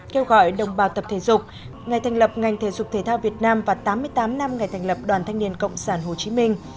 kêu gọi đồng bào tập thể dục ngày thành lập ngành thể dục thể thao việt nam và tám mươi tám năm ngày thành lập đoàn thanh niên cộng sản hồ chí minh